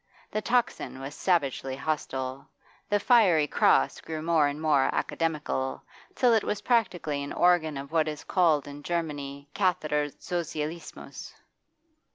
The 'Tocsin' was savagely hostile, the 'Fiery Gross.' grew more and more academical, till it was practically an organ of what is called in Germany Katheder Sozialismus.